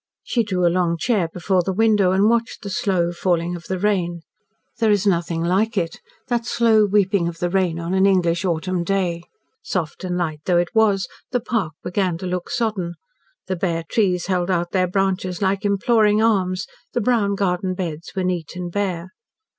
She drew a long chair before the window and watched the slow falling of the rain. There is nothing like it that slow weeping of the rain on an English autumn day. Soft and light though it was, the park began to look sodden. The bare trees held out their branches like imploring arms, the brown garden beds were neat and bare.